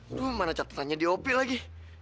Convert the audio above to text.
aduh mana catatannya di hopi lagi